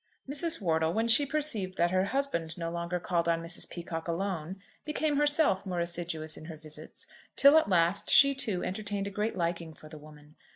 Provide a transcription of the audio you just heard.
MRS. WORTLE, when she perceived that her husband no longer called on Mrs. Peacocke alone, became herself more assiduous in her visits, till at last she too entertained a great liking for the woman.